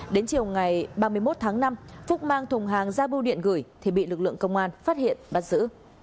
đến chiều ngày ba mươi một tháng năm phúc mang thùng hàng ra bưu điện gửi thì bị lực lượng công an phát hiện bắt giữ